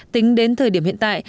tính đến thời điểm hiện tại